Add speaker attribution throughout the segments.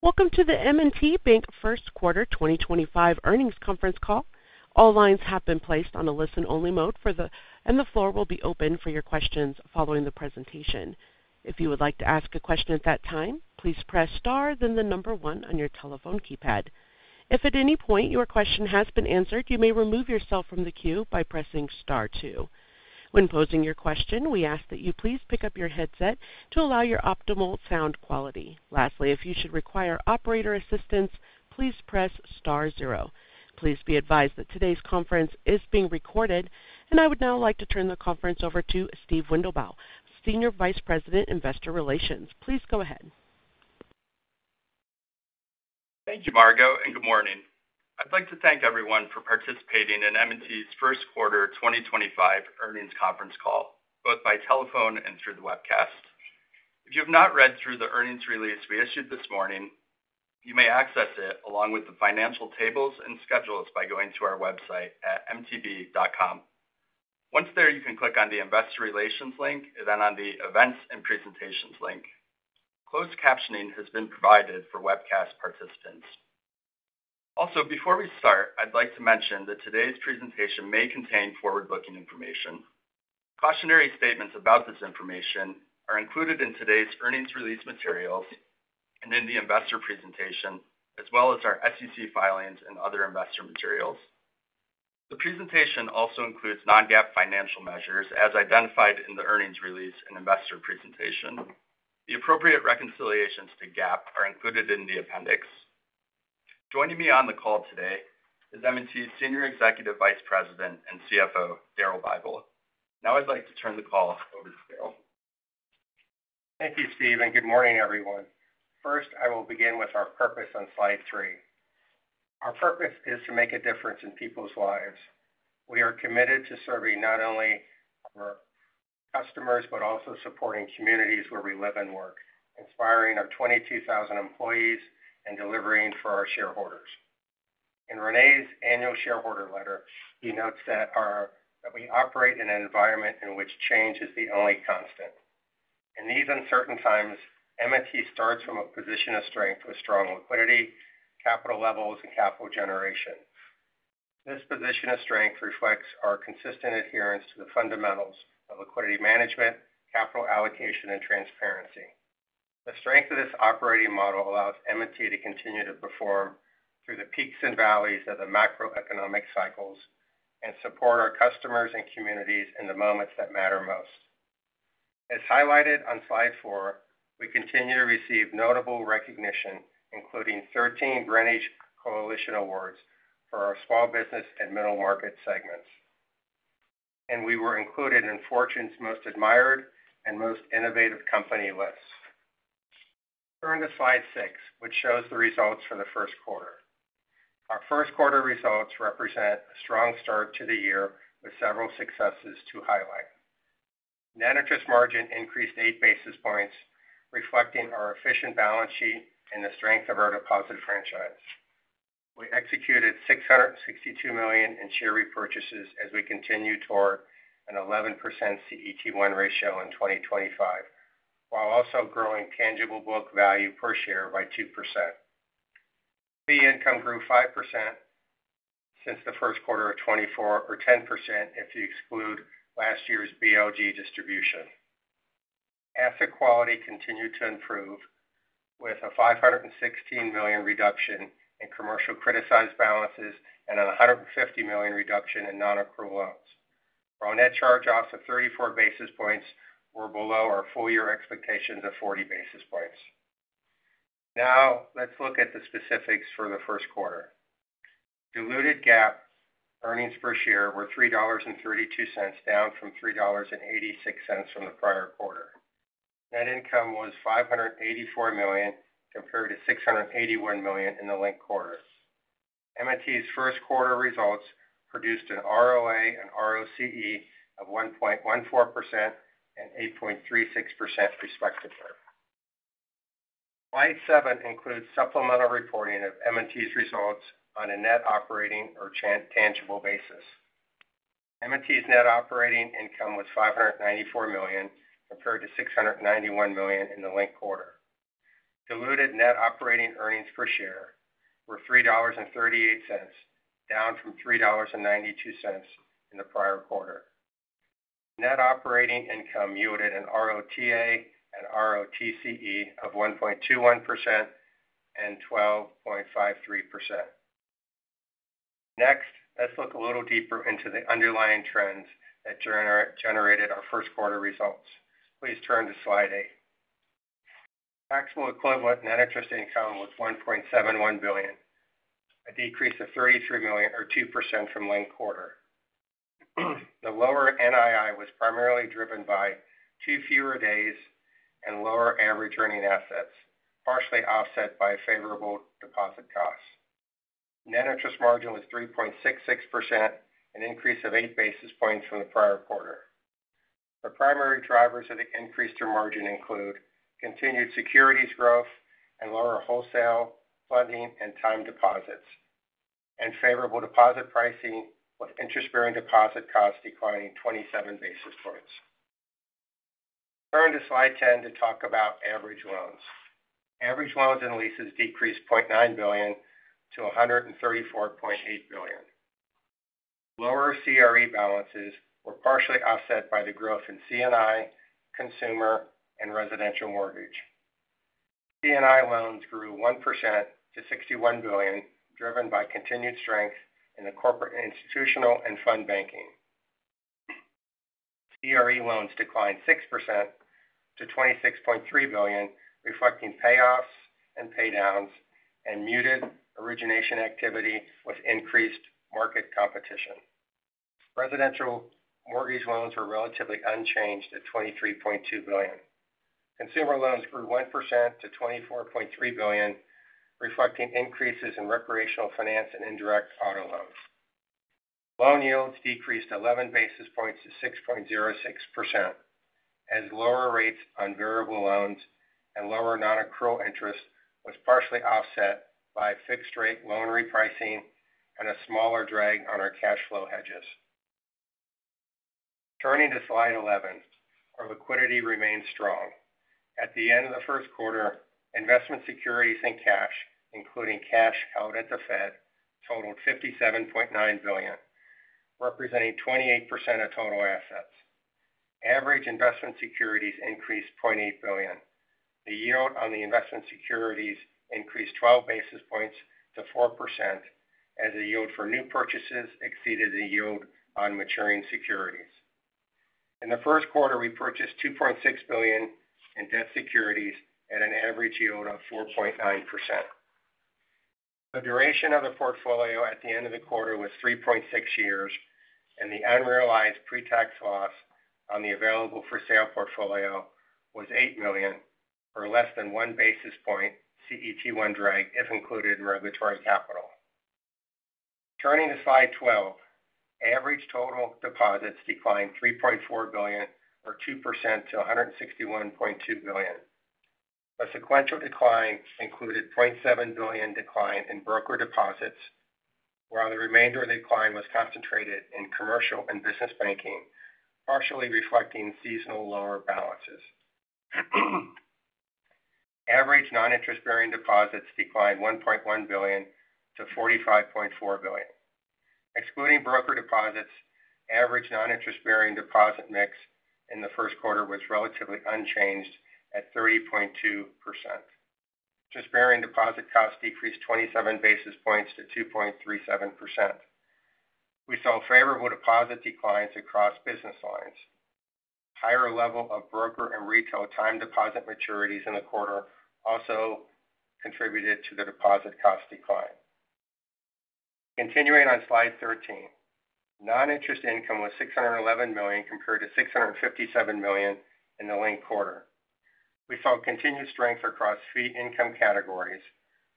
Speaker 1: Welcome to the M&T Bank First Quarter 2025 earnings conference call. All lines have been placed on a listen-only mode, and the floor will be open for your questions following the presentation. If you would like to ask a question at that time, please press star, then the number one on your telephone keypad. If at any point your question has been answered, you may remove yourself from the queue by pressing star two. When posing your question, we ask that you please pick up your headset to allow your optimal sound quality. Lastly, if you should require operator assistance, please press star zero. Please be advised that today's conference is being recorded, and I would now like to turn the conference over to Steve Wendelboe, Senior Vice President, Investor Relations. Please go ahead.
Speaker 2: Thank you, Margo, and good morning. I'd like to thank everyone for participating in M&T's First Quarter 2025 earnings conference call, both by telephone and through the webcast. If you have not read through the earnings release we issued this morning, you may access it along with the financial tables and schedules by going to our website at mtb.com. Once there, you can click on the Investor Relations link, then on the Events and Presentations link. Closed captioning has been provided for webcast participants. Also, before we start, I'd like to mention that today's presentation may contain forward-looking information. Cautionary statements about this information are included in today's earnings release materials and in the investor presentation, as well as our SEC filings and other investor materials. The presentation also includes non-GAAP financial measures as identified in the earnings release and investor presentation. The appropriate reconciliations to GAAP are included in the appendix. Joining me on the call today is M&T's Senior Executive Vice President and CFO, Daryl Bible. Now I'd like to turn the call over to Daryl.
Speaker 3: Thank you, Steve, and good morning, everyone. First, I will begin with our purpose on slide three. Our purpose is to make a difference in people's lives. We are committed to serving not only our customers but also supporting communities where we live and work, inspiring our 22,000 employees and delivering for our shareholders. In René's annual shareholder letter, he notes that we operate in an environment in which change is the only constant. In these uncertain times, M&T starts from a position of strength with strong liquidity, capital levels, and capital generation. This position of strength reflects our consistent adherence to the fundamentals of liquidity management, capital allocation, and transparency. The strength of this operating model allows M&T to continue to perform through the peaks and valleys of the macroeconomic cycles and support our customers and communities in the moments that matter most. As highlighted on slide four, we continue to receive notable recognition, including 13 Greenwich Associates Awards for our small business and middle market segments, and we were included in Fortune's Most Admired and Most Innovative Company list. Turn to slide six, which shows the results for the first quarter. Our first quarter results represent a strong start to the year with several successes to highlight. Net interest margin increased eight basis points, reflecting our efficient balance sheet and the strength of our deposit franchise. We executed $662 million in share repurchases as we continue toward an 11% CET1 ratio in 2025, while also growing tangible book value per share by 2%. NII income grew 5% since the first quarter of 2024, or 10% if you exclude last year's BLG distribution. Asset quality continued to improve with a $516 million reduction in commercial criticized balances and a $150 million reduction in non-accrual loans. Our net charge-offs of 34 basis points were below our full-year expectations of 40 basis points. Now let's look at the specifics for the first quarter. Diluted GAAP earnings per share were $3.32, down from $3.86 from the prior quarter. Net income was $584 million compared to $681 million in the linked quarter. M&T's first quarter results produced an ROA and ROCE of 1.14% and 8.36% respectively. Slide seven includes supplemental reporting of M&T's results on a net operating or tangible basis. M&T's net operating income was $594 million compared to $691 million in the linked quarter. Diluted net operating earnings per share were $3.38, down from $3.92 in the prior quarter. Net operating income yielded an ROTA and ROTCE of 1.21% and 12.53%. Next, let's look a little deeper into the underlying trends that generated our first quarter results. Please turn to slide eight. Maximal equivalent net interest income was $1.71 billion, a decrease of $33 million or 2% from link quarter. The lower NII was primarily driven by two fewer days and lower average earning assets, partially offset by favorable deposit costs. Net interest margin was 3.66%, an increase of eight basis points from the prior quarter. The primary drivers of the increased margin include continued securities growth and lower wholesale funding and time deposits, and favorable deposit pricing with interest-bearing deposit costs declining 27 basis points. Turn to slide 10 to talk about average loans. Average loans and leases decreased $0.9 billion to $134.8 billion. Lower CRE balances were partially offset by the growth in CNI, consumer, and residential mortgage. CNI loans grew 1% to $61 billion, driven by continued strength in the corporate institutional and fund banking. CRE loans declined 6% to $26.3 billion, reflecting payoffs and paydowns and muted origination activity with increased market competition. Residential mortgage loans were relatively unchanged at $23.2 billion. Consumer loans grew 1% to $24.3 billion, reflecting increases in recreational finance and indirect auto loans. Loan yields decreased 11 basis points to 6.06% as lower rates on variable loans and lower non-accrual interest was partially offset by fixed-rate loan repricing and a smaller drag on our cash flow hedges. Turning to slide 11, our liquidity remained strong. At the end of the first quarter, investment securities and cash, including cash held at the Fed, totaled $57.9 billion, representing 28% of total assets. Average investment securities increased $0.8 billion. The yield on the investment securities increased 12 basis points to 4% as the yield for new purchases exceeded the yield on maturing securities. In the first quarter, we purchased $2.6 billion in debt securities at an average yield of 4.9%. The duration of the portfolio at the end of the quarter was 3.6 years, and the unrealized pre-tax loss on the available for sale portfolio was $8 million, or less than one basis point CET1 drag if included in regulatory capital. Turning to slide 12, average total deposits declined $3.4 billion, or 2% to $161.2 billion. A sequential decline included a $0.7 billion decline in broker deposits, while the remainder of the decline was concentrated in commercial and business banking, partially reflecting seasonal lower balances. Average non-interest-bearing deposits declined $1.1 billion to $45.4 billion. Excluding broker deposits, average non-interest-bearing deposit mix in the first quarter was relatively unchanged at 30.2%. Interest-bearing deposit costs decreased 27 basis points to 2.37%. We saw favorable deposit declines across business lines. Higher level of broker and retail time deposit maturities in the quarter also contributed to the deposit cost decline. Continuing on slide 13, non-interest income was $611 million compared to $657 million in the link quarter. We found continued strength across fee income categories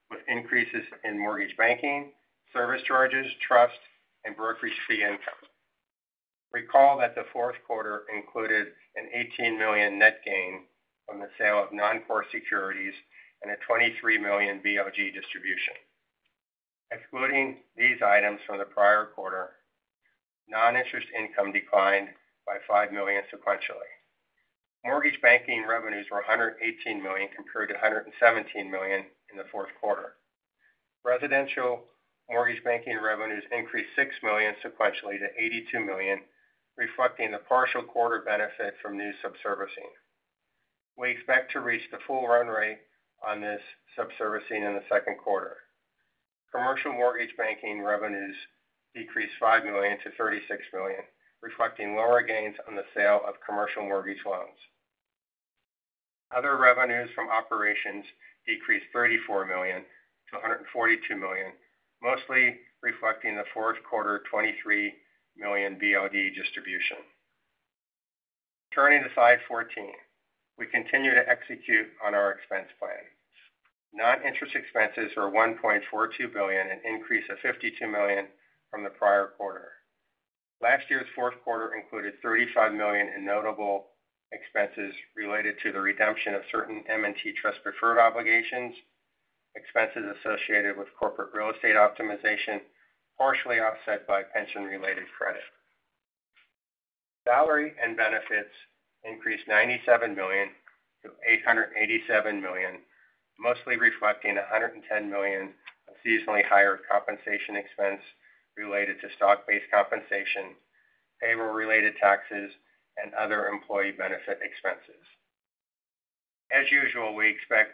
Speaker 3: with increases in mortgage banking, service charges, trust, and brokerage fee income. Recall that the fourth quarter included an $18 million net gain from the sale of non-core securities and a $23 million BLG distribution. Excluding these items from the prior quarter, non-interest income declined by $5 million sequentially. Mortgage banking revenues were $118 million compared to $117 million in the fourth quarter. Residential mortgage banking revenues increased $6 million sequentially to $82 million, reflecting the partial quarter benefit from new sub-servicing. We expect to reach the full run rate on this sub-servicing in the second quarter. Commercial mortgage banking revenues decreased $5 million to $36 million, reflecting lower gains on the sale of commercial mortgage loans. Other revenues from operations decreased $34 million to $142 million, mostly reflecting the fourth quarter $23 million Bayview Financial distribution. Turning to slide 14, we continue to execute on our expense plan. Non-interest expenses were $1.42 billion, an increase of $52 million from the prior quarter. Last year's fourth quarter included $35 million in notable expenses related to the redemption of certain M&T trust preferred obligations, expenses associated with corporate real estate optimization, partially offset by pension-related credit. Salary and benefits increased $97 million to $887 million, mostly reflecting $110 million of seasonally higher compensation expense related to stock-based compensation, payroll-related taxes, and other employee benefit expenses. As usual, we expect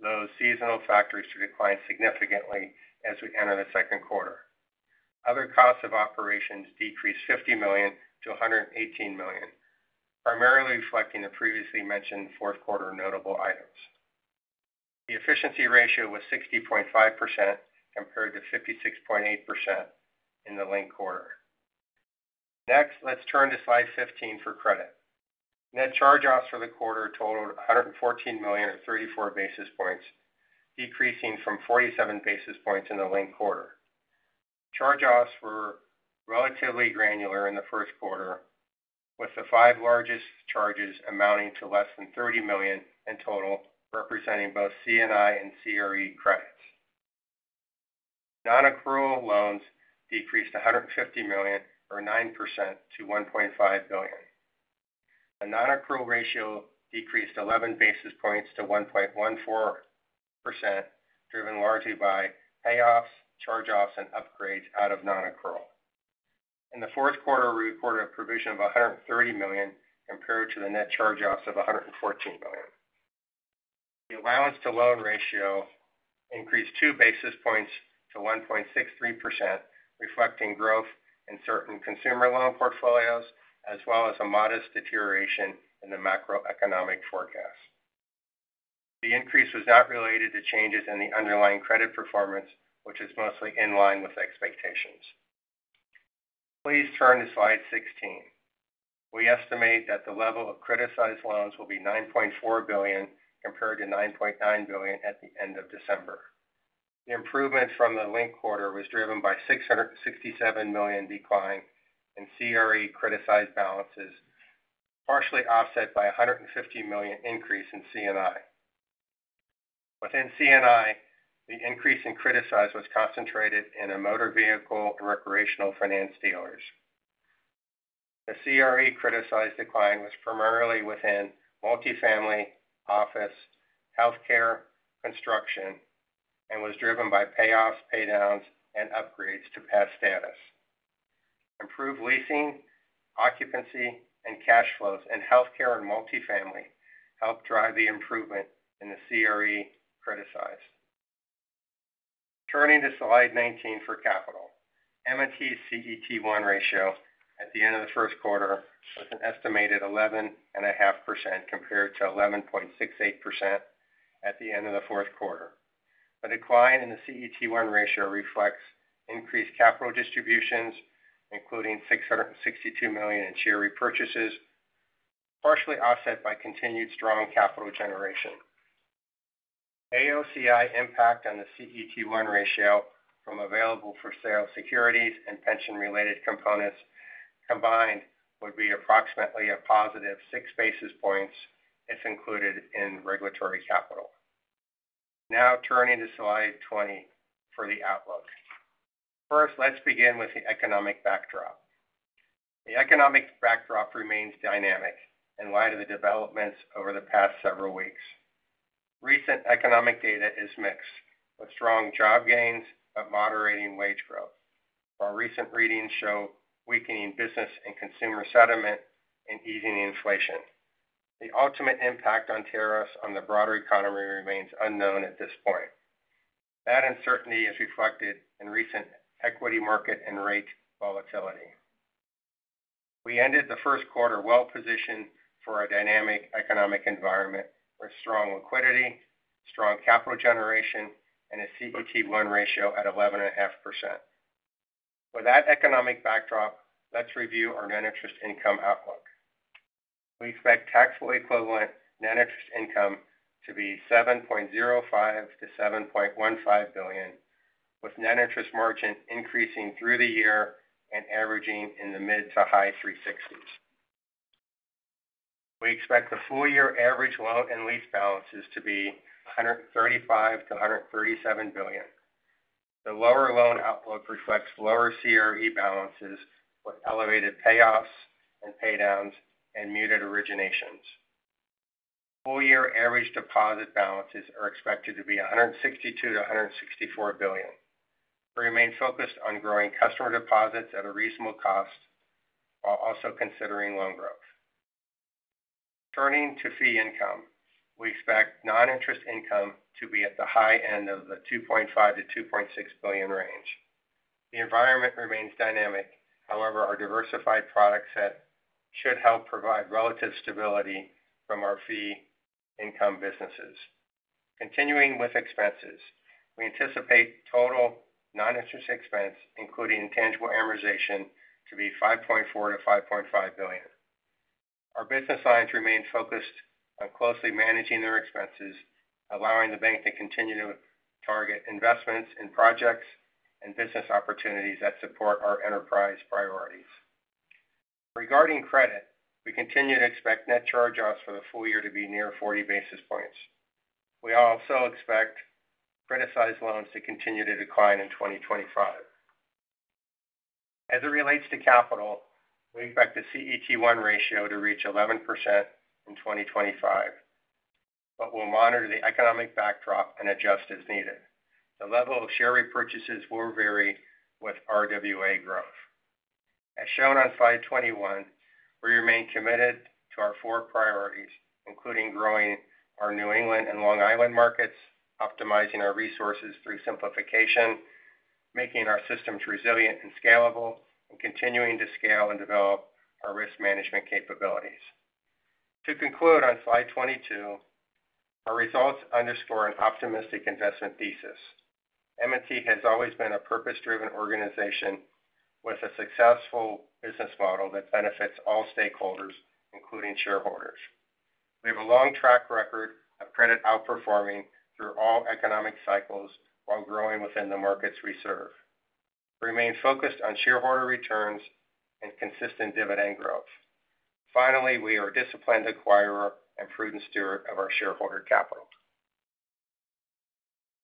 Speaker 3: those seasonal factors to decline significantly as we enter the second quarter. Other costs of operations decreased $50 million to $118 million, primarily reflecting the previously mentioned fourth quarter notable items. The efficiency ratio was 60.5% compared to 56.8% in the link quarter. Next, let's turn to slide 15 for credit. Net charge-offs for the quarter totaled $114 million or 34 basis points, decreasing from 47 basis points in the link quarter. Charge-offs were relatively granular in the first quarter, with the five largest charges amounting to less than $30 million in total, representing both CNI and CRE credits. Non-accrual loans decreased $150 million or 9% to $1.5 billion. The non-accrual ratio decreased 11 basis points to 1.14%, driven largely by payoffs, charge-offs, and upgrades out of non-accrual. In the fourth quarter, we recorded a provision of $130 million compared to the net charge-offs of $114 million. The allowance-to-loan ratio increased 2 basis points to 1.63%, reflecting growth in certain consumer loan portfolios, as well as a modest deterioration in the macroeconomic forecast. The increase was not related to changes in the underlying credit performance, which is mostly in line with expectations. Please turn to slide 16. We estimate that the level of criticized loans will be $9.4 billion compared to $9.9 billion at the end of December. The improvement from the link quarter was driven by a $667 million decline in CRE criticized balances, partially offset by a $150 million increase in CNI. Within CNI, the increase in criticized was concentrated in motor vehicle and recreational finance dealers. The CRE criticized decline was primarily within multifamily, office, healthcare, construction, and was driven by payoffs, paydowns, and upgrades to pass status. Improved leasing, occupancy, and cash flows in healthcare and multifamily helped drive the improvement in the CRE criticized. Turning to slide 19 for capital. M&T's CET1 ratio at the end of the first quarter was an estimated 11.5% compared to 11.68% at the end of the fourth quarter. The decline in the CET1 ratio reflects increased capital distributions, including $662 million in share repurchases, partially offset by continued strong capital generation. AOCI impact on the CET1 ratio from available for sale securities and pension-related components combined would be approximately a positive 6 basis points if included in regulatory capital. Now turning to slide 20 for the outlook. First, let's begin with the economic backdrop. The economic backdrop remains dynamic in light of the developments over the past several weeks. Recent economic data is mixed, with strong job gains but moderating wage growth. While recent readings show weakening business and consumer sentiment and easing inflation, the ultimate impact on tariffs on the broader economy remains unknown at this point. That uncertainty is reflected in recent equity market and rate volatility. We ended the first quarter well-positioned for a dynamic economic environment with strong liquidity, strong capital generation, and a CET1 ratio at 11.5%. With that economic backdrop, let's review our net interest income outlook. We expect taxable equivalent net interest income to be $7.05 billion-$7.15 billion, with net interest margin increasing through the year and averaging in the mid to high 360s. We expect the full-year average loan and lease balances to be $135 billion-$137 billion. The lower loan outlook reflects lower CRE balances with elevated payoffs and paydowns and muted originations. Full-year average deposit balances are expected to be $162 billion-$164 billion. We remain focused on growing customer deposits at a reasonable cost while also considering loan growth. Turning to fee income, we expect non-interest income to be at the high end of the $2.5 billion-$2.6 billion range. The environment remains dynamic. However, our diversified product set should help provide relative stability from our fee income businesses. Continuing with expenses, we anticipate total non-interest expense, including intangible amortization, to be $5.4 billion-$5.5 billion. Our business lines remain focused on closely managing their expenses, allowing the bank to continue to target investments in projects and business opportunities that support our enterprise priorities. Regarding credit, we continue to expect net charge-offs for the full year to be near 40 basis points. We also expect criticized loans to continue to decline in 2025. As it relates to capital, we expect the CET1 ratio to reach 11% in 2025, but we'll monitor the economic backdrop and adjust as needed. The level of share repurchases will vary with RWA growth. As shown on slide 21, we remain committed to our four priorities, including growing our New England and Long Island markets, optimizing our resources through simplification, making our systems resilient and scalable, and continuing to scale and develop our risk management capabilities. To conclude on slide 22, our results underscore an optimistic investment thesis. M&T has always been a purpose-driven organization with a successful business model that benefits all stakeholders, including shareholders. We have a long track record of credit outperforming through all economic cycles while growing within the markets we serve. We remain focused on shareholder returns and consistent dividend growth. Finally, we are a disciplined acquirer and prudent steward of our shareholder capital.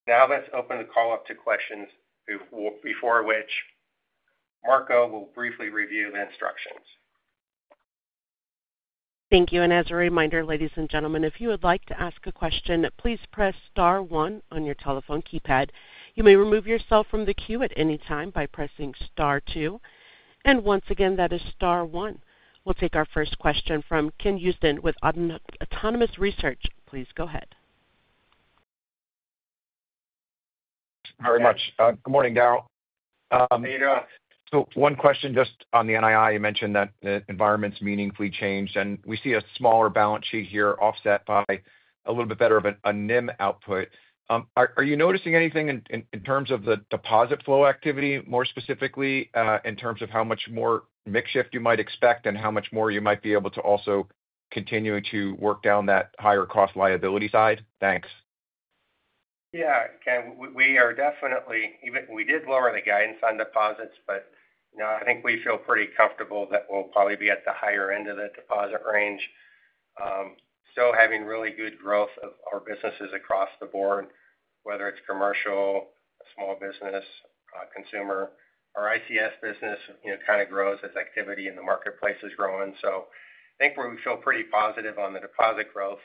Speaker 3: Now let's open the call up to questions, before which Marco will briefly review the instructions.
Speaker 1: Thank you. As a reminder, ladies and gentlemen, if you would like to ask a question, please press star one on your telephone keypad. You may remove yourself from the queue at any time by pressing star two. Once again, that is star one. We will take our first question from Ken Houston with Autonomous Research. Please go ahead.
Speaker 4: Thank you very much. Good morning, Daryl.
Speaker 3: Hey there.
Speaker 4: One question just on the NII. You mentioned that the environment's meaningfully changed, and we see a smaller balance sheet here offset by a little bit better of a NIM output. Are you noticing anything in terms of the deposit flow activity, more specifically in terms of how much more makeshift you might expect and how much more you might be able to also continue to work down that higher cost liability side? Thanks.
Speaker 3: Yeah, Ken, we are definitely—we did lower the guidance on deposits, but I think we feel pretty comfortable that we'll probably be at the higher end of the deposit range. Still having really good growth of our businesses across the board, whether it's commercial, small business, consumer, or ICS business, kind of grows as activity in the marketplace is growing. I think we feel pretty positive on the deposit growth.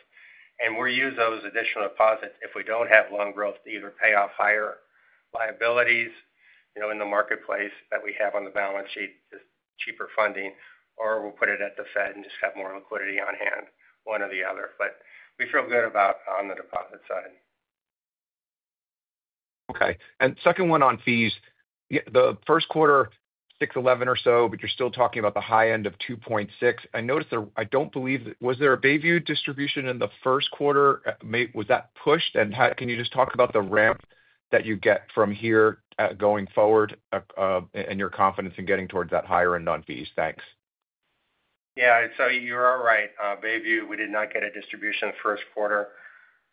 Speaker 3: We'll use those additional deposits if we don't have loan growth to either pay off higher liabilities in the marketplace that we have on the balance sheet with cheaper funding, or we'll put it at the Fed and just have more liquidity on hand, one or the other. We feel good about on the deposit side.
Speaker 4: Okay. Second one on fees. The first quarter, $6.11 or so, but you're still talking about the high end of $2.6. I noticed there—I don't believe that—was there a Bayview distribution in the first quarter? Was that pushed? Can you just talk about the ramp that you get from here going forward and your confidence in getting towards that higher end on fees? Thanks.
Speaker 3: Yeah. You're all right. Bayview, we did not get a distribution the first quarter.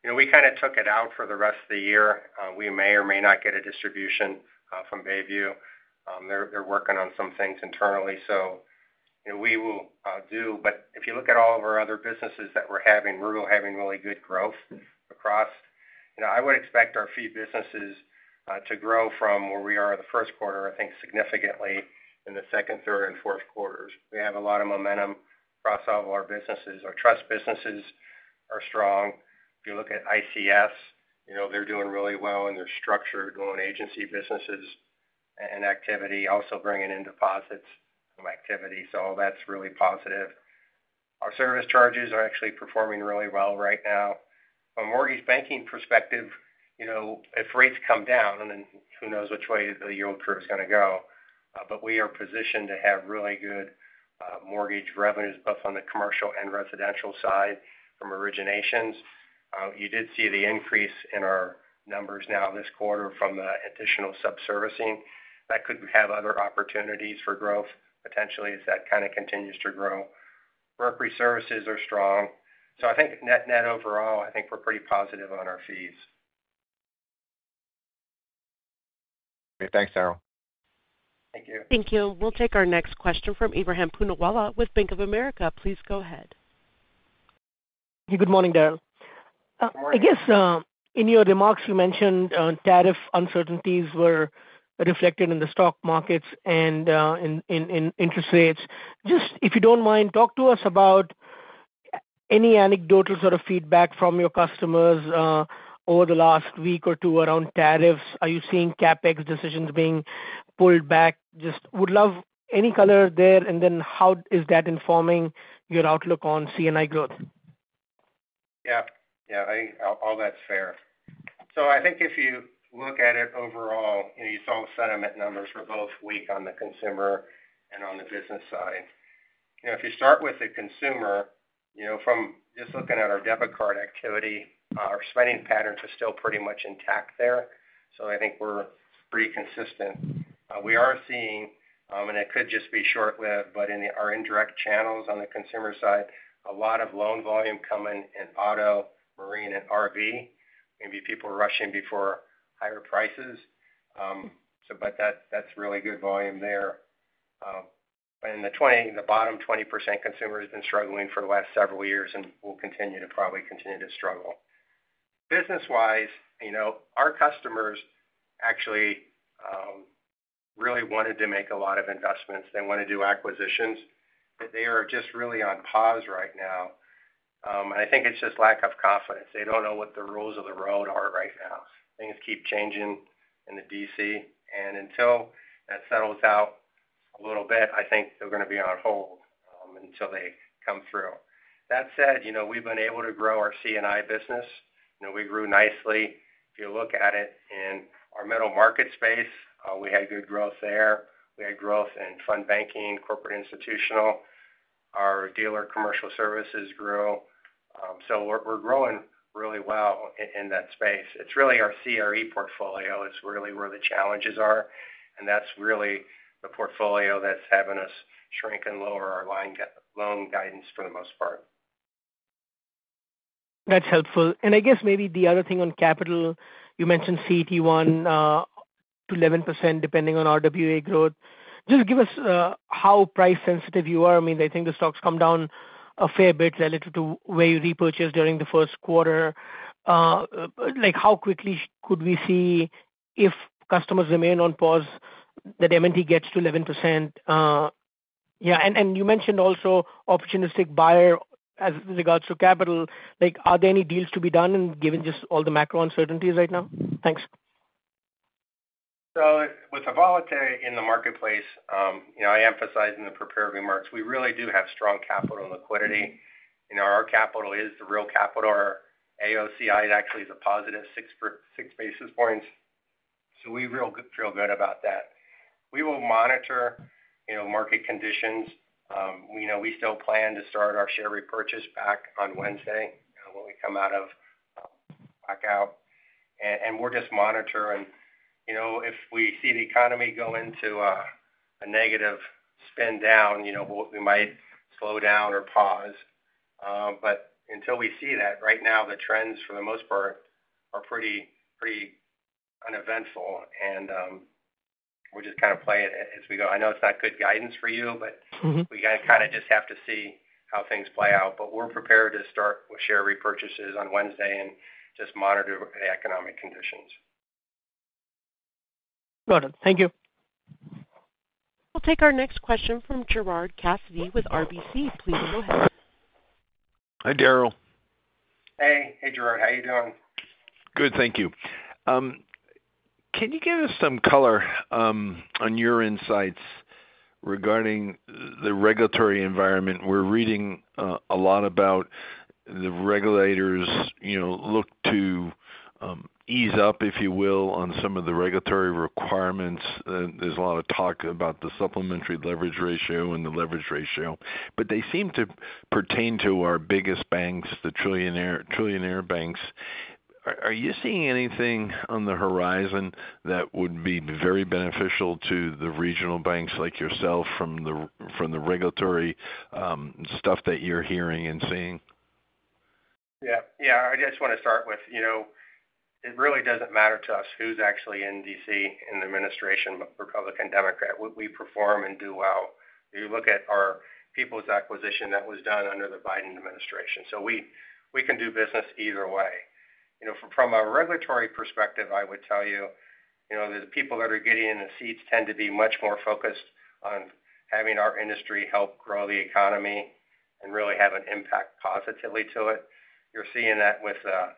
Speaker 3: We kind of took it out for the rest of the year. We may or may not get a distribution from Bayview. They're working on some things internally, so we will see. If you look at all of our other businesses that we're having, we're having really good growth across. I would expect our fee businesses to grow from where we are the first quarter, I think, significantly in the second, third, and fourth quarters. We have a lot of momentum across all of our businesses. Our trust businesses are strong. If you look at ICS, they're doing really well in their structure going agency businesses and activity, also bringing in deposits from activity. That's really positive. Our service charges are actually performing really well right now. From a mortgage banking perspective, if rates come down, then who knows which way the yield curve is going to go. We are positioned to have really good mortgage revenues, both on the commercial and residential side from originations. You did see the increase in our numbers now this quarter from the additional sub-servicing. That could have other opportunities for growth potentially as that kind of continues to grow. Mortgage services are strong. I think net overall, I think we're pretty positive on our fees.
Speaker 4: Great. Thanks, Daryl.
Speaker 3: Thank you.
Speaker 1: Thank you. We'll take our next question from Ebrahim Poonawala with Bank of America. Please go ahead.
Speaker 5: Hey, good morning, Daryl. I guess in your remarks, you mentioned tariff uncertainties were reflected in the stock markets and in interest rates. Just if you do not mind, talk to us about any anecdotal sort of feedback from your customers over the last week or two around tariffs. Are you seeing CapEx decisions being pulled back? Just would love any color there. How is that informing your outlook on CNI growth?
Speaker 3: Yeah. Yeah. All that's fair. I think if you look at it overall, you saw the sentiment numbers were both weak on the consumer and on the business side. If you start with the consumer, from just looking at our debit card activity, our spending patterns are still pretty much intact there. I think we're pretty consistent. We are seeing, and it could just be short-lived, but in our indirect channels on the consumer side, a lot of loan volume coming in auto, marine, and RV. Maybe people are rushing before higher prices. That's really good volume there. The bottom 20% consumer has been struggling for the last several years and will probably continue to struggle. Business-wise, our customers actually really wanted to make a lot of investments. They want to do acquisitions. They are just really on pause right now. I think it's just lack of confidence. They don't know what the rules of the road are right now. Things keep changing in DC. Until that settles out a little bit, I think they're going to be on hold until they come through. That said, we've been able to grow our CNI business. We grew nicely. If you look at it in our middle market space, we had good growth there. We had growth in fund banking, corporate institutional. Our dealer commercial services grew. We're growing really well in that space. It's really our CRE portfolio. It's really where the challenges are. That's really the portfolio that's having us shrink and lower our loan guidance for the most part.
Speaker 5: That's helpful. I guess maybe the other thing on capital, you mentioned CET1 to 11% depending on RWA growth. Just give us how price-sensitive you are. I mean, I think the stock's come down a fair bit relative to where you repurchased during the first quarter. How quickly could we see if customers remain on pause that M&T gets to 11%? Yeah. You mentioned also opportunistic buyer as regards to capital. Are there any deals to be done given just all the macro uncertainties right now? Thanks.
Speaker 3: With the volatility in the marketplace, I emphasize in the prepared remarks, we really do have strong capital and liquidity. Our capital is the real capital. Our AOCI actually is a positive six basis points. We feel good about that. We will monitor market conditions. We still plan to start our share repurchase back on Wednesday when we come out of blackout. We'll just monitor. If we see the economy go into a negative spin down, we might slow down or pause. Until we see that, right now, the trends for the most part are pretty uneventful. We'll just kind of play it as we go. I know it's not good guidance for you, but we kind of just have to see how things play out. We're prepared to start with share repurchases on Wednesday and just monitor the economic conditions.
Speaker 5: Got it. Thank you.
Speaker 1: We'll take our next question from Gerard Cassidy with RBC. Please go ahead.
Speaker 6: Hi, Daryl.
Speaker 3: Hey. Hey, Gerard. How are you doing?
Speaker 6: Good. Thank you. Can you give us some color on your insights regarding the regulatory environment? We're reading a lot about the regulators look to ease up, if you will, on some of the regulatory requirements. There's a lot of talk about the supplementary leverage ratio and the leverage ratio. They seem to pertain to our biggest banks, the trillionaire banks. Are you seeing anything on the horizon that would be very beneficial to the regional banks like yourself from the regulatory stuff that you're hearing and seeing?
Speaker 3: Yeah. Yeah. I just want to start with it really doesn't matter to us who's actually in DC in the administration, Republican, Democrat. We perform and do well. You look at our People's acquisition that was done under the Biden administration. We can do business either way. From a regulatory perspective, I would tell you the people that are getting in the seats tend to be much more focused on having our industry help grow the economy and really have an impact positively to it. You're seeing that with the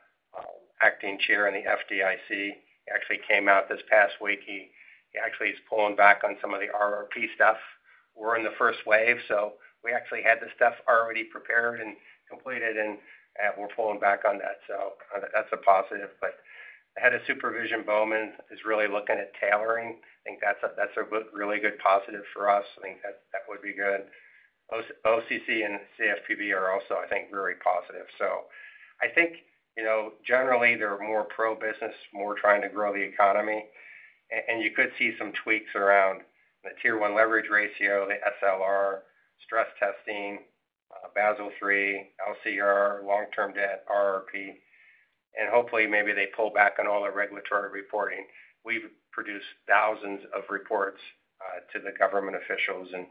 Speaker 3: acting chair in the FDIC. He actually came out this past week. He actually is pulling back on some of the RRP stuff. We're in the first wave. We actually had the stuff already prepared and completed, and we're pulling back on that. That's a positive. The head of supervision, Bowman, is really looking at tailoring. I think that's a really good positive for us. I think that would be good. OCC and CFPB are also, I think, very positive. I think generally they're more pro-business, more trying to grow the economy. You could see some tweaks around the tier one leverage ratio, the SLR, stress testing, Basel III, LCR, long-term debt, RRP. Hopefully, maybe they pull back on all the regulatory reporting. We've produced thousands of reports to the government officials, and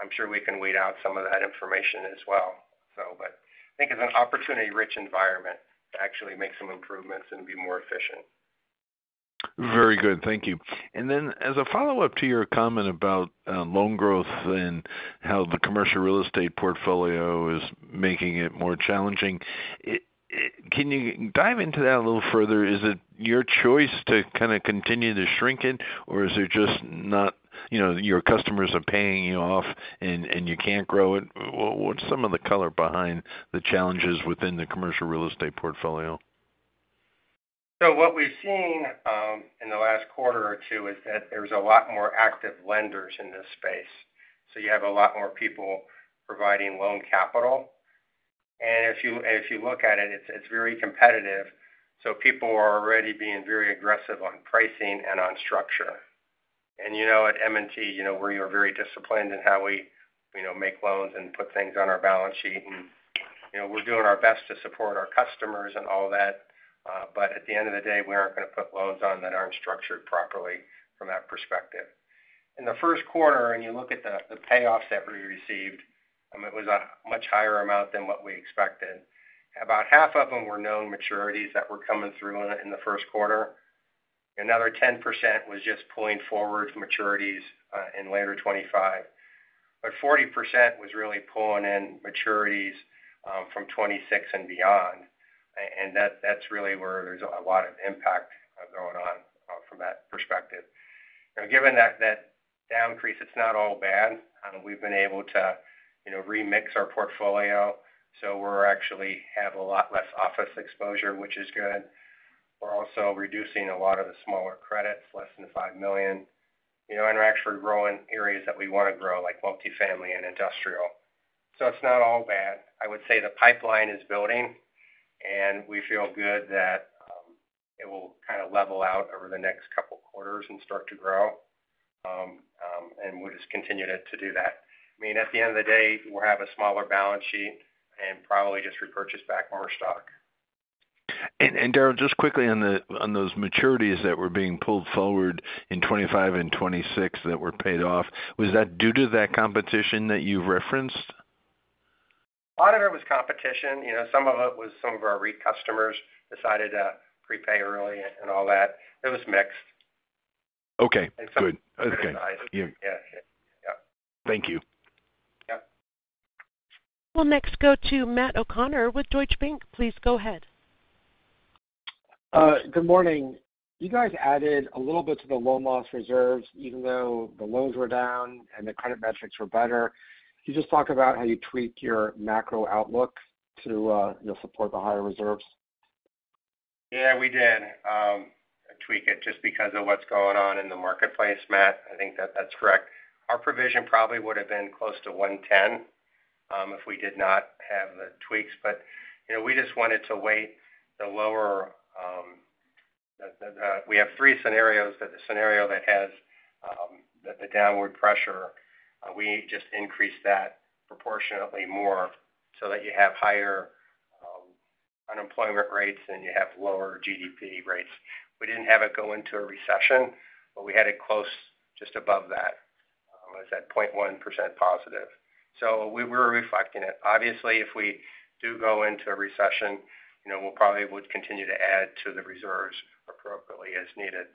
Speaker 3: I'm sure we can weed out some of that information as well. I think it's an opportunity-rich environment to actually make some improvements and be more efficient.
Speaker 6: Very good. Thank you. As a follow-up to your comment about loan growth and how the commercial real estate portfolio is making it more challenging, can you dive into that a little further? Is it your choice to kind of continue to shrink it, or is it just that your customers are paying you off and you can't grow it? What's some of the color behind the challenges within the commercial real estate portfolio?
Speaker 3: What we've seen in the last quarter or two is that there's a lot more active lenders in this space. You have a lot more people providing loan capital. If you look at it, it's very competitive. People are already being very aggressive on pricing and on structure. At M&T, we're very disciplined in how we make loans and put things on our balance sheet. We're doing our best to support our customers and all that. At the end of the day, we aren't going to put loans on that aren't structured properly from that perspective. In the first quarter, if you look at the payoffs that we received, it was a much higher amount than what we expected. About half of them were known maturities that were coming through in the first quarter. Another 10% was just pulling forward maturities in later 2025. 40% was really pulling in maturities from 2026 and beyond. That is really where there is a lot of impact going on from that perspective. Now, given that down crease, it is not all bad. We have been able to remix our portfolio. We actually have a lot less office exposure, which is good. We are also reducing a lot of the smaller credits, less than $5 million. We are actually growing areas that we want to grow, like multifamily and industrial. It is not all bad. I would say the pipeline is building, and we feel good that it will kind of level out over the next couple of quarters and start to grow. We will just continue to do that. I mean, at the end of the day, we'll have a smaller balance sheet and probably just repurchase back more stock.
Speaker 6: Daryl, just quickly on those maturities that were being pulled forward in 2025 and 2026 that were paid off, was that due to that competition that you referenced?
Speaker 3: A lot of it was competition. Some of it was some of our customers decided to prepay early and all that. It was mixed.
Speaker 6: Okay. Good. Okay. Thank you.
Speaker 3: Yep.
Speaker 1: We'll next go to Matt O'Connor with Deutsche Bank. Please go ahead.
Speaker 7: Good morning. You guys added a little bit to the loan loss reserves, even though the loans were down and the credit metrics were better. Can you just talk about how you tweaked your macro outlook to support the higher reserves?
Speaker 3: Yeah, we did tweak it just because of what's going on in the marketplace, Matt. I think that that's correct. Our provision probably would have been close to $110 million if we did not have the tweaks. We just wanted to weigh the lower. We have three scenarios. The scenario that has the downward pressure, we just increased that proportionately more so that you have higher unemployment rates and you have lower GDP rates. We did not have it go into a recession, but we had it close just above that. It was at 0.1% positive. We were reflecting it. Obviously, if we do go into a recession, we'll probably continue to add to the reserves appropriately as needed.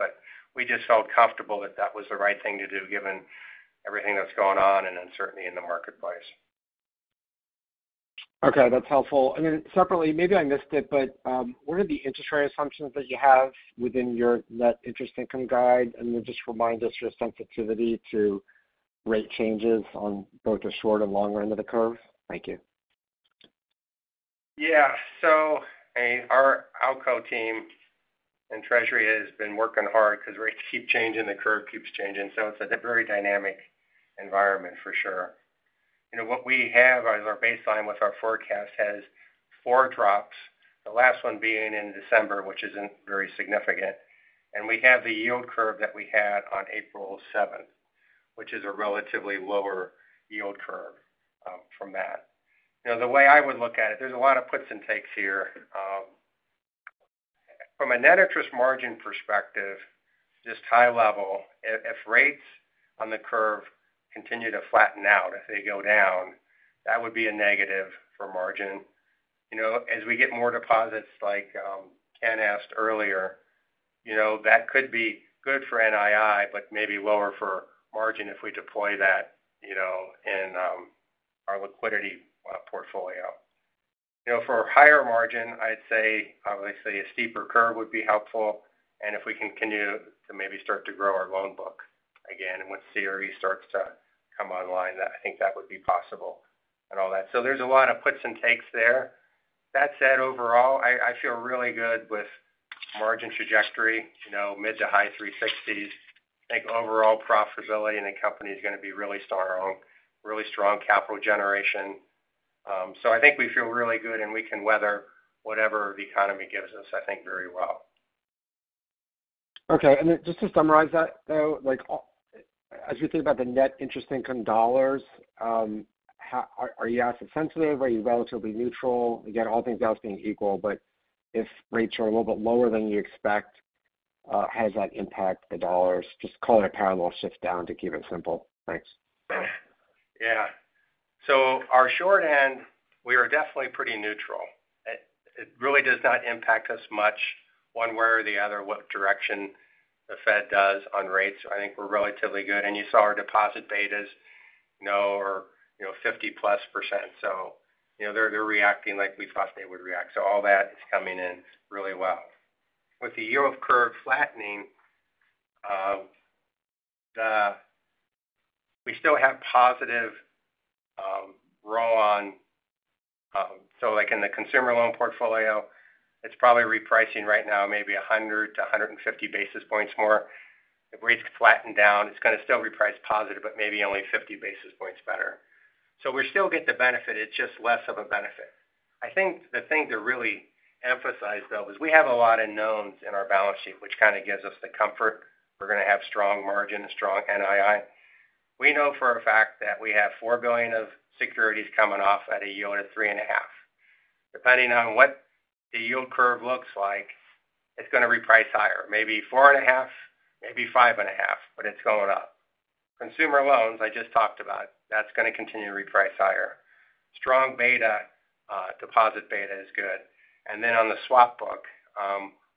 Speaker 3: We just felt comfortable that that was the right thing to do given everything that's going on and uncertainty in the marketplace.
Speaker 7: Okay. That's helpful. Maybe I missed it, but what are the interest rate assumptions that you have within your net interest income guide? Just remind us your sensitivity to rate changes on both the short and longer end of the curve. Thank you.
Speaker 3: Yeah. Our outcall team and treasury has been working hard because rates keep changing and the curve keeps changing. It is a very dynamic environment for sure. What we have as our baseline with our forecast has four drops, the last one being in December, which is not very significant. We have the yield curve that we had on April 7, which is a relatively lower yield curve from that. The way I would look at it, there are a lot of puts and takes here. From a net interest margin perspective, just high level, if rates on the curve continue to flatten out, if they go down, that would be a negative for margin. As we get more deposits, like Ken asked earlier, that could be good for NII, but maybe lower for margin if we deploy that in our liquidity portfolio. For higher margin, I'd say a steeper curve would be helpful. If we can continue to maybe start to grow our loan book again and when CRE starts to come online, I think that would be possible and all that. There is a lot of puts and takes there. That said, overall, I feel really good with margin trajectory, mid to high 360s. I think overall profitability in the company is going to be really strong, really strong capital generation. I think we feel really good and we can weather whatever the economy gives us, I think, very well.
Speaker 7: Okay. And then just to summarize that, though, as we think about the net interest income dollars, are you asset sensitive? Are you relatively neutral? Again, all things else being equal, but if rates are a little bit lower than you expect, how does that impact the dollars? Just call it a parallel shift down to keep it simple. Thanks.
Speaker 3: Yeah. Our short end, we are definitely pretty neutral. It really does not impact us much one way or the other, what direction the Fed does on rates. I think we are relatively good. You saw our deposit betas are 50-plus %. They are reacting like we thought they would react. All that is coming in really well. With the yield curve flattening, we still have positive raw on. In the consumer loan portfolio, it is probably repricing right now maybe 100 to 150 basis points more. If rates flatten down, it is going to still reprice positive, but maybe only 50 basis points better. We still get the benefit. It is just less of a benefit. I think the thing to really emphasize, though, is we have a lot of knowns in our balance sheet, which kind of gives us the comfort. We're going to have strong margin and strong NII. We know for a fact that we have $4 billion of securities coming off at a yield of 3.5. Depending on what the yield curve looks like, it's going to reprice higher. Maybe 4.5, maybe 5.5, but it's going up. Consumer loans, I just talked about, that's going to continue to reprice higher. Strong beta, deposit beta is good. On the swap book,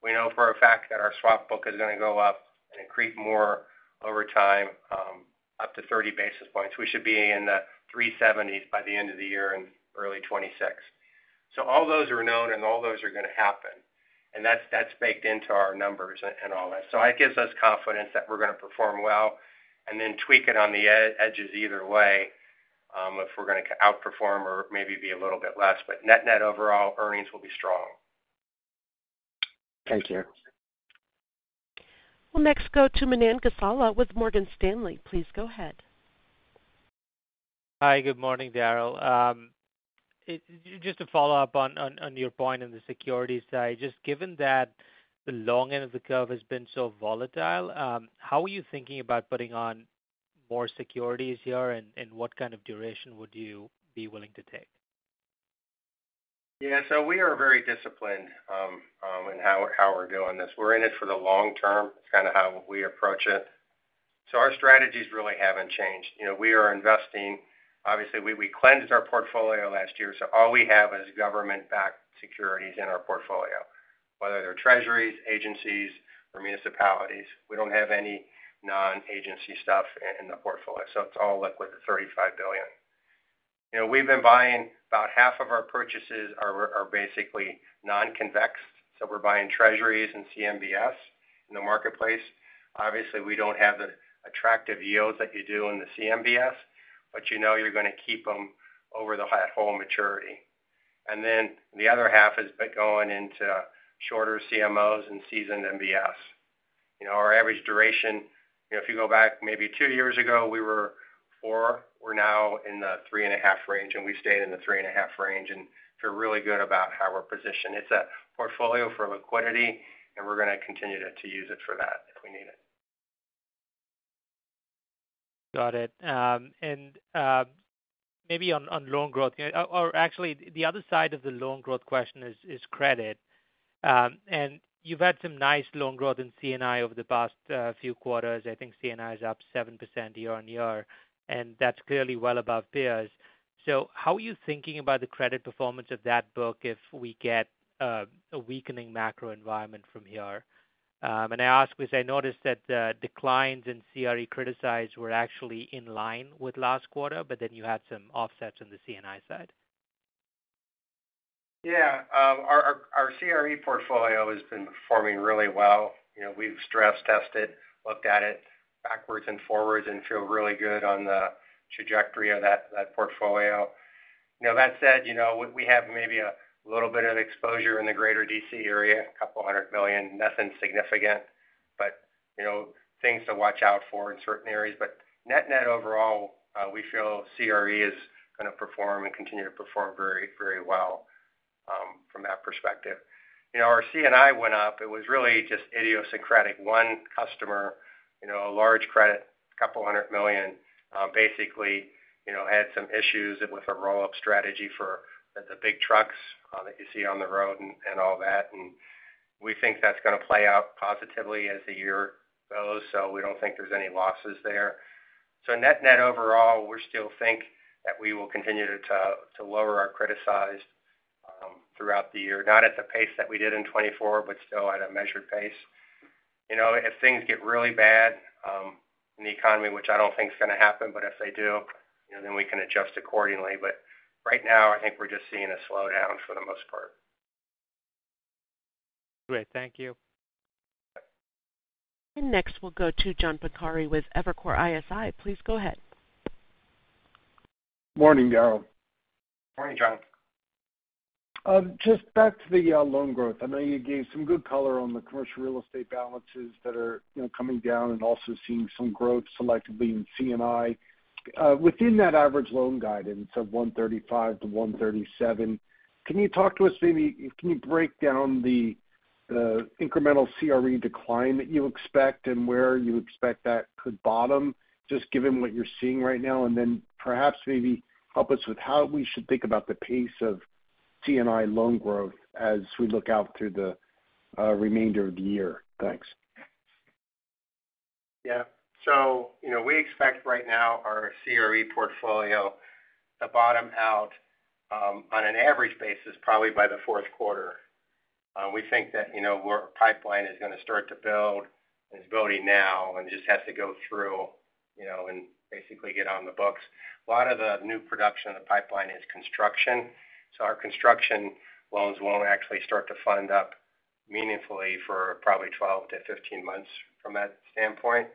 Speaker 3: we know for a fact that our swap book is going to go up and increase more over time, up to 30 basis points. We should be in the 370s by the end of the year and early 2026. All those are known and all those are going to happen. That's baked into our numbers and all that. It gives us confidence that we're going to perform well and then tweak it on the edges either way if we're going to outperform or maybe be a little bit less. Net-net overall, earnings will be strong.
Speaker 7: Thank you.
Speaker 1: We'll next go to Manan Gosalia with Morgan Stanley. Please go ahead.
Speaker 8: Hi, good morning, Daryl. Just to follow up on your point on the security side, just given that the long end of the curve has been so volatile, how are you thinking about putting on more securities here and what kind of duration would you be willing to take?
Speaker 3: Yeah. We are very disciplined in how we're doing this. We're in it for the long term. It's kind of how we approach it. Our strategies really haven't changed. We are investing. Obviously, we cleansed our portfolio last year. All we have is government-backed securities in our portfolio, whether they're treasuries, agencies, or municipalities. We don't have any non-agency stuff in the portfolio. It's all liquid at $35 billion. We've been buying about half of our purchases are basically non-convex. We're buying treasuries and CMBS in the marketplace. Obviously, we don't have the attractive yields that you do in the CMBS, but you know you're going to keep them over that whole maturity. The other half has been going into shorter CMOs and seasoned MBS. Our average duration, if you go back maybe two years ago, we were four. We're now in the 3.5 range, and we stayed in the 3.5 range. I feel really good about how we're positioned. It's a portfolio for liquidity, and we're going to continue to use it for that if we need it.
Speaker 8: Got it. Maybe on loan growth, or actually, the other side of the loan growth question is credit. You have had some nice loan growth in CNI over the past few quarters. I think CNI is up 7% year on year, and that is clearly well above peers. How are you thinking about the credit performance of that book if we get a weakening macro environment from here? I ask because I noticed that declines in CRE criticized were actually in line with last quarter, but then you had some offsets on the CNI side.
Speaker 3: Yeah. Our CRE portfolio has been performing really well. We've stress-tested, looked at it backwards and forwards, and feel really good on the trajectory of that portfolio. That said, we have maybe a little bit of exposure in the greater DC area, a couple hundred million, nothing significant, things to watch out for in certain areas. Net-net overall, we feel CRE is going to perform and continue to perform very, very well from that perspective. Our CNI went up. It was really just idiosyncratic. One customer, a large credit, a couple hundred million, basically had some issues with a roll-up strategy for the big trucks that you see on the road and all that. We think that's going to play out positively as the year goes. We don't think there's any losses there. Net-net overall, we still think that we will continue to lower our criticized throughout the year, not at the pace that we did in 2024, but still at a measured pace. If things get really bad in the economy, which I do not think is going to happen, but if they do, then we can adjust accordingly. Right now, I think we are just seeing a slowdown for the most part.
Speaker 8: Great. Thank you.
Speaker 1: Next, we'll go to John Pancari with Evercore ISI. Please go ahead.
Speaker 9: Morning, Daryl.
Speaker 3: Morning, John.
Speaker 9: Just back to the loan growth. I know you gave some good color on the commercial real estate balances that are coming down and also seeing some growth selectively in CNI. Within that average loan guidance of 135 to 137, can you talk to us maybe? Can you break down the incremental CRE decline that you expect and where you expect that could bottom, just given what you're seeing right now? Perhaps maybe help us with how we should think about the pace of CNI loan growth as we look out through the remainder of the year. Thanks.
Speaker 3: Yeah. We expect right now our CRE portfolio to bottom out on an average basis probably by the fourth quarter. We think that our pipeline is going to start to build and is building now and just has to go through and basically get on the books. A lot of the new production in the pipeline is construction. Our construction loans will not actually start to fund up meaningfully for probably 12-15 months from that standpoint.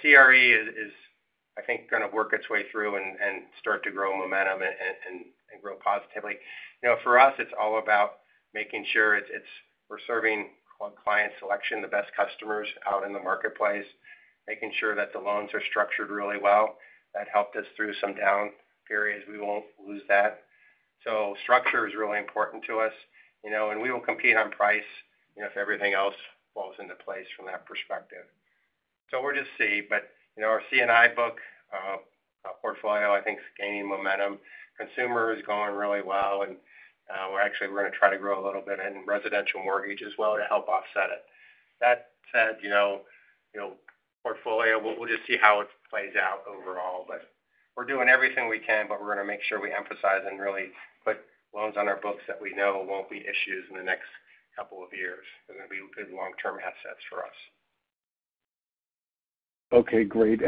Speaker 3: CRE is, I think, going to work its way through and start to grow momentum and grow positively. For us, it is all about making sure we are serving client selection, the best customers out in the marketplace, making sure that the loans are structured really well. That helped us through some down periods. We will not lose that. Structure is really important to us. We will compete on price if everything else falls into place from that perspective. We'll just see. Our CNI book portfolio, I think, is gaining momentum. Consumer is going really well. Actually, we're going to try to grow a little bit in residential mortgage as well to help offset it. That said, portfolio, we'll just see how it plays out overall. We're doing everything we can, but we're going to make sure we emphasize and really put loans on our books that we know won't be issues in the next couple of years. They're going to be good long-term assets for us.
Speaker 9: Okay. Great.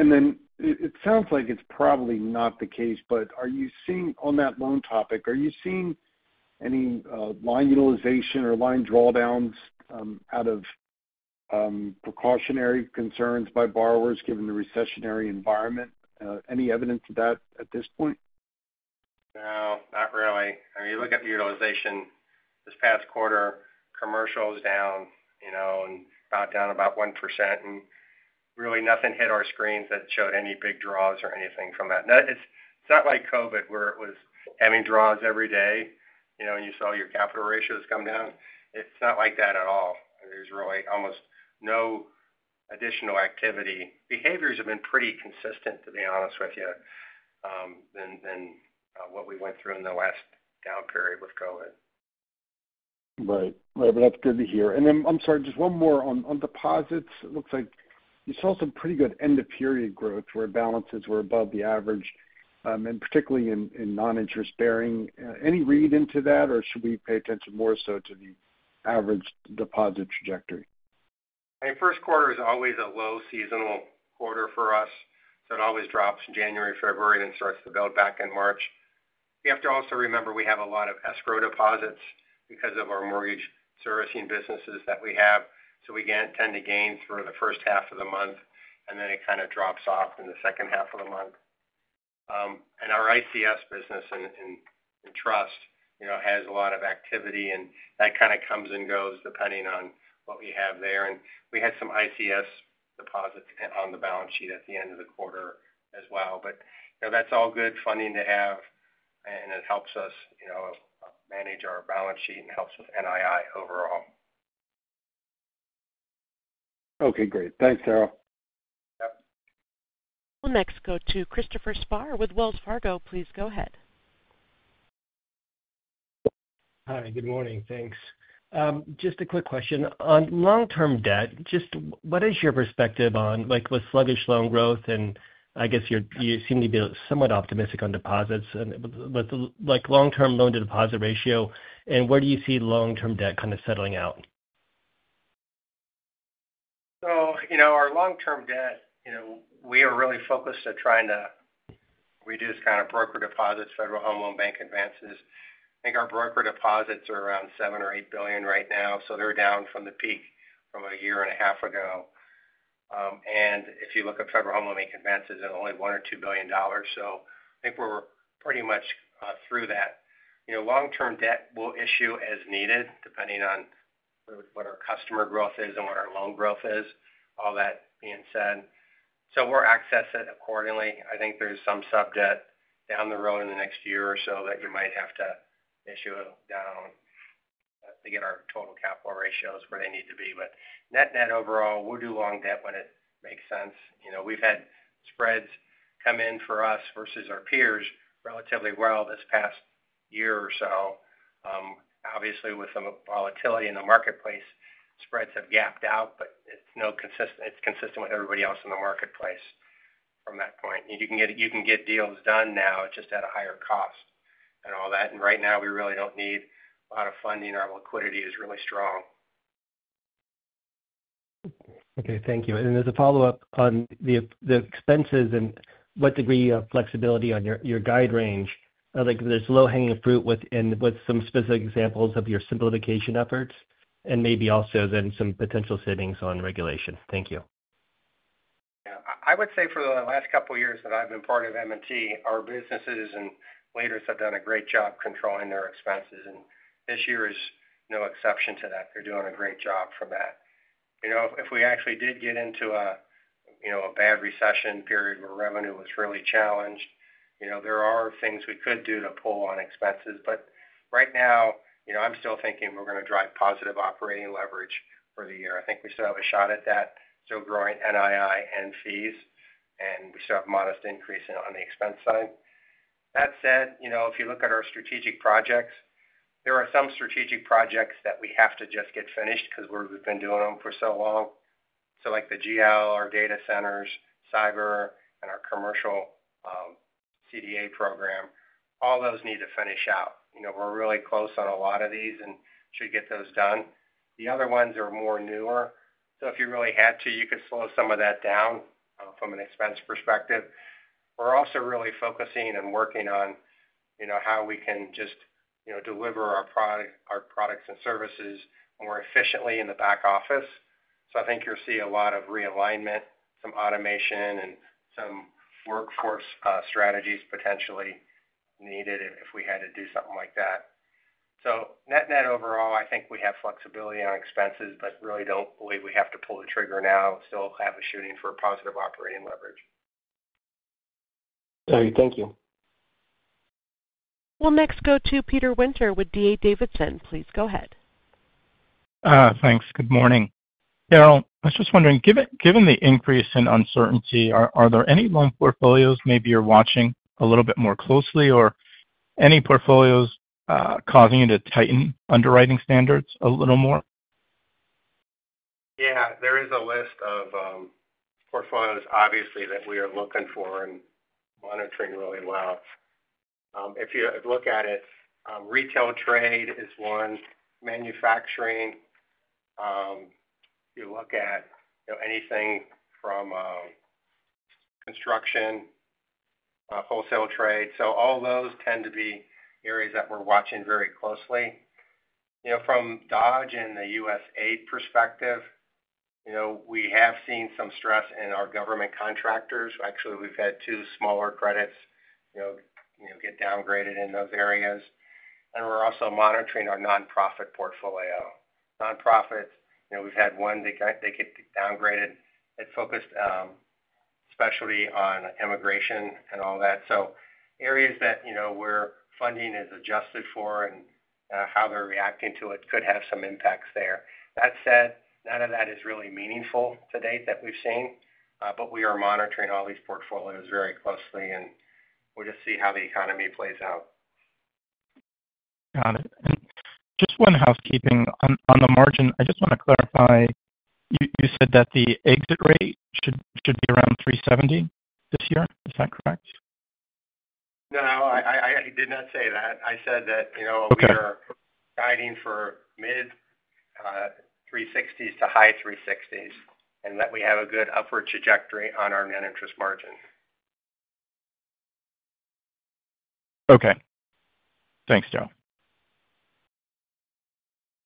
Speaker 9: It sounds like it's probably not the case, but are you seeing on that loan topic, are you seeing any line utilization or line drawdowns out of precautionary concerns by borrowers given the recessionary environment? Any evidence of that at this point?
Speaker 3: No. Not really. I mean, you look at the utilization this past quarter, commercial's down, and about down about 1%. And really, nothing hit our screens that showed any big draws or anything from that. It's not like COVID where it was having draws every day and you saw your capital ratios come down. It's not like that at all. There's really almost no additional activity. Behaviors have been pretty consistent, to be honest with you, than what we went through in the last down period with COVID.
Speaker 9: Right. Right. That is good to hear. I am sorry, just one more on deposits. It looks like you saw some pretty good end-of-period growth where balances were above the average, and particularly in non-interest bearing. Any read into that, or should we pay attention more so to the average deposit trajectory?
Speaker 3: I mean, first quarter is always a low seasonal quarter for us. It always drops in January, February, and then starts to build back in March. You have to also remember we have a lot of escrow deposits because of our mortgage servicing businesses that we have. We tend to gain through the first half of the month, and then it kind of drops off in the second half of the month. Our ICS business in trust has a lot of activity, and that kind of comes and goes depending on what we have there. We had some ICS deposits on the balance sheet at the end of the quarter as well. That is all good funding to have, and it helps us manage our balance sheet and helps with NII overall.
Speaker 9: Okay. Great. Thanks, Daryl.
Speaker 3: Yep.
Speaker 1: We'll next go to Christopher Spahr with Wells Fargo. Please go ahead.
Speaker 10: Hi. Good morning. Thanks. Just a quick question. On long-term debt, just what is your perspective on with sluggish loan growth? I guess you seem to be somewhat optimistic on deposits, but long-term loan-to-deposit ratio, and where do you see long-term debt kind of settling out?
Speaker 3: Our long-term debt, we are really focused on trying to reduce kind of broker deposits, federal home loan bank advances. I think our broker deposits are around $7 billion or $8 billion right now. They are down from the peak from a year and a half ago. If you look at federal home loan bank advances, they are only $1 billion or $2 billion. I think we are pretty much through that. Long-term debt we will issue as needed, depending on what our customer growth is and what our loan growth is, all that being said. We will access it accordingly. I think there is some sub-debt down the road in the next year or so that you might have to issue down to get our total capital ratios where they need to be. Net-net overall, we will do long debt when it makes sense. We've had spreads come in for us versus our peers relatively well this past year or so. Obviously, with some volatility in the marketplace, spreads have gapped out, but it's consistent with everybody else in the marketplace from that point. You can get deals done now just at a higher cost and all that. Right now, we really don't need a lot of funding. Our liquidity is really strong.
Speaker 10: Thank you. As a follow-up on the expenses and what degree of flexibility on your guide range, there is low-hanging fruit with some specific examples of your simplification efforts and maybe also then some potential savings on regulation. Thank you.
Speaker 3: Yeah. I would say for the last couple of years that I've been part of M&T, our businesses and leaders have done a great job controlling their expenses. This year is no exception to that. They're doing a great job from that. If we actually did get into a bad recession period where revenue was really challenged, there are things we could do to pull on expenses. Right now, I'm still thinking we're going to drive positive operating leverage for the year. I think we still have a shot at that, still growing NII and fees, and we still have a modest increase on the expense side. That said, if you look at our strategic projects, there are some strategic projects that we have to just get finished because we've been doing them for so long. Like the GL, our data centers, cyber, and our commercial CDA program, all those need to finish out. We're really close on a lot of these and should get those done. The other ones are more newer. If you really had to, you could slow some of that down from an expense perspective. We're also really focusing and working on how we can just deliver our products and services more efficiently in the back office. I think you'll see a lot of realignment, some automation, and some workforce strategies potentially needed if we had to do something like that. Net-net overall, I think we have flexibility on expenses, but really do not believe we have to pull the trigger now. Still shooting for positive operating leverage.
Speaker 10: All right. Thank you.
Speaker 1: We'll next go to Peter Winter with D.A. Davidson. Please go ahead.
Speaker 11: Thanks. Good morning. Daryl, I was just wondering, given the increase in uncertainty, are there any loan portfolios maybe you're watching a little bit more closely, or any portfolios causing you to tighten underwriting standards a little more?
Speaker 3: Yeah. There is a list of portfolios, obviously, that we are looking for and monitoring really well. If you look at it, retail trade is one. Manufacturing, you look at anything from construction, wholesale trade. All those tend to be areas that we're watching very closely. From Dodge and the USAID perspective, we have seen some stress in our government contractors. Actually, we've had two smaller credits get downgraded in those areas. We're also monitoring our nonprofit portfolio. Nonprofits, we've had one that got downgraded. It focused especially on immigration and all that. Areas that we're funding is adjusted for and how they're reacting to it could have some impacts there. That said, none of that is really meaningful to date that we've seen. We are monitoring all these portfolios very closely, and we'll just see how the economy plays out.
Speaker 11: Got it. Just one housekeeping on the margin. I just want to clarify. You said that the exit rate should be around 370 this year. Is that correct?
Speaker 3: No. I did not say that. I said that we are guiding for mid 360s to high 360s and that we have a good upward trajectory on our net interest margin.
Speaker 9: Okay. Thanks.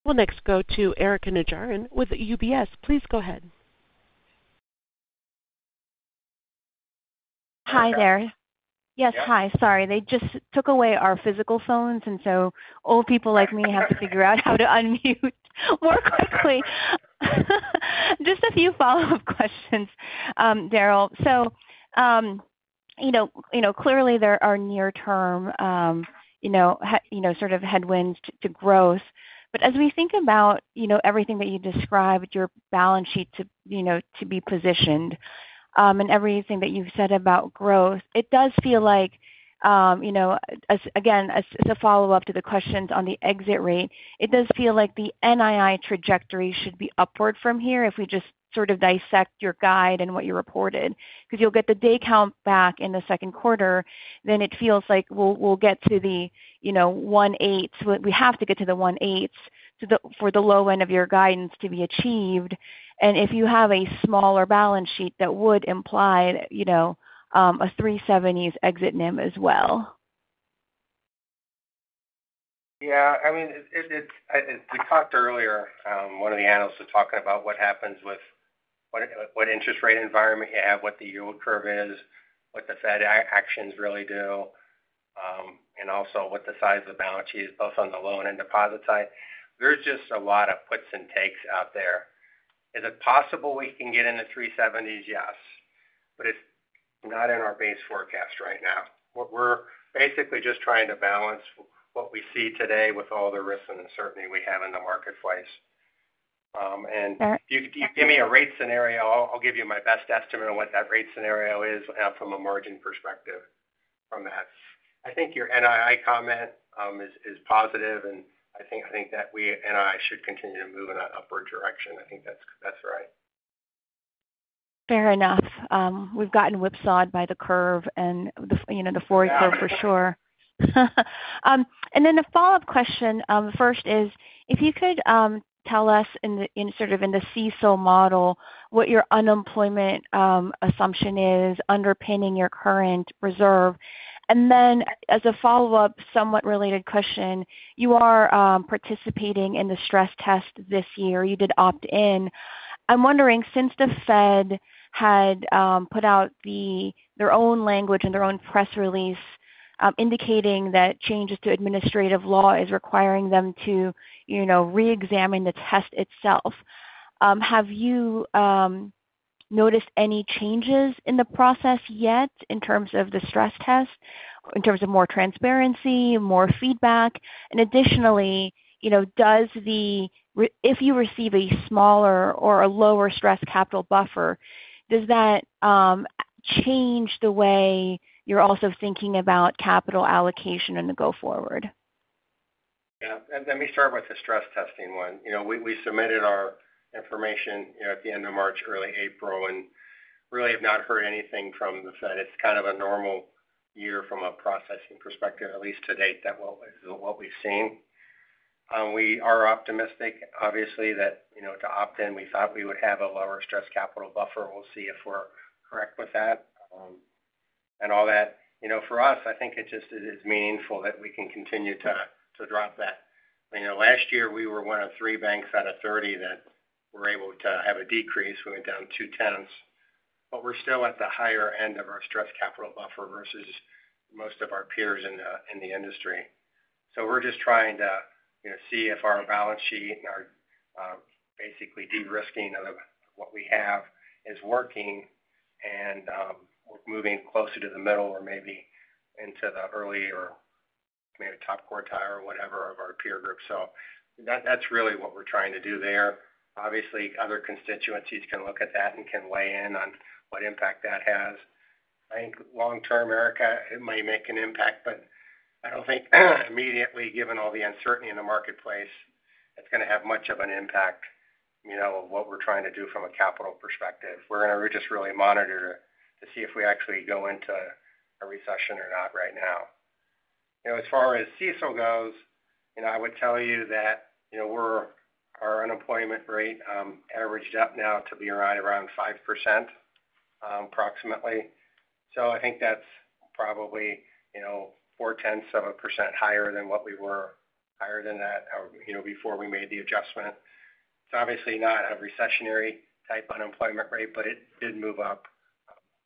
Speaker 1: We'll next go to Erika Najarian with UBS. Please go ahead.
Speaker 12: Hi there. Yes. Hi. Sorry. They just took away our physical phones, and so old people like me have to figure out how to unmute more quickly. Just a few follow-up questions, Daryl. Clearly, there are near-term sort of headwinds to growth. As we think about everything that you described, your balance sheet to be positioned, and everything that you've said about growth, it does feel like, again, as a follow-up to the questions on the exit rate, it does feel like the NII trajectory should be upward from here if we just sort of dissect your guide and what you reported. Because you'll get the day count back in the second quarter, it feels like we'll get to the one-eighth. We have to get to the one-eighth for the low end of your guidance to be achieved. If you have a smaller balance sheet, that would imply a 370s exit NIM as well.
Speaker 3: Yeah. I mean, we talked earlier. One of the analysts was talking about what happens with what interest rate environment you have, what the yield curve is, what the Fed actions really do, and also what the size of the balance sheet is, both on the loan and deposit side. There's just a lot of puts and takes out there. Is it possible we can get in the 370s? Yes. But it's not in our base forecast right now. We're basically just trying to balance what we see today with all the risks and uncertainty we have in the marketplace. If you give me a rate scenario, I'll give you my best estimate on what that rate scenario is from a margin perspective from that. I think your NII comment is positive, and I think that we NII should continue to move in an upward direction. I think that's right.
Speaker 12: Fair enough. We've gotten whipsawed by the curve and the Forex curve for sure. A follow-up question. The first is, if you could tell us sort of in the CECL model what your unemployment assumption is underpinning your current reserve. As a follow-up, somewhat related question, you are participating in the stress test this year. You did opt in. I'm wondering, since the Fed had put out their own language and their own press release indicating that changes to administrative law is requiring them to re-examine the test itself, have you noticed any changes in the process yet in terms of the stress test, in terms of more transparency, more feedback? Additionally, if you receive a smaller or a lower Stress Capital Buffer, does that change the way you're also thinking about capital allocation in the go forward?
Speaker 3: Yeah. Let me start with the stress testing one. We submitted our information at the end of March, early April, and really have not heard anything from the Fed. It is kind of a normal year from a processing perspective, at least to date, that is what we have seen. We are optimistic, obviously, that to opt in, we thought we would have a lower Stress Capital Buffer. we will see if we are correct with that. All that, for us, I think it just is meaningful that we can continue to drop that. Last year, we were one of three banks out of 30 that were able to have a decrease. We went down two-tenths. We are still at the higher end of our Stress Capital Buffer versus most of our peers in the industry. We're just trying to see if our balance sheet and our basically de-risking of what we have is working, and we're moving closer to the middle or maybe into the early or maybe top quartile or whatever of our peer group. That's really what we're trying to do there. Obviously, other constituencies can look at that and can weigh in on what impact that has. I think long-term, Erika, it may make an impact, but I don't think immediately, given all the uncertainty in the marketplace, it's going to have much of an impact of what we're trying to do from a capital perspective. We're going to just really monitor to see if we actually go into a recession or not right now. As far as CECL goes, I would tell you that our unemployment rate averaged up now to be right around 5% approximately. I think that's probably four-tenths of a percent higher than what we were, higher than that before we made the adjustment. It's obviously not a recessionary type unemployment rate, but it did move up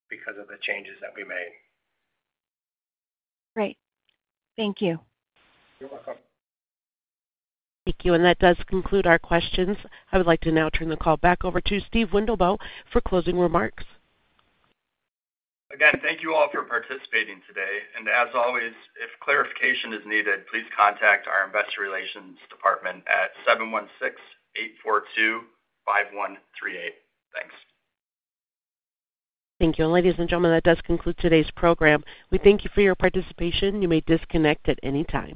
Speaker 3: because of the changes that we made.
Speaker 12: Great. Thank you.
Speaker 3: You're welcome.
Speaker 1: Thank you. That does conclude our questions. I would like to now turn the call back over to Steve Wendelboe for closing remarks.
Speaker 2: Again, thank you all for participating today. As always, if clarification is needed, please contact our investor relations department at 716-842-5138. Thanks.
Speaker 1: Thank you. Ladies and gentlemen, that does conclude today's program. We thank you for your participation. You may disconnect at any time.